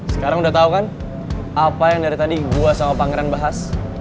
sekarang udah tau kan apa yang dari tadi gue sama pangeran bahas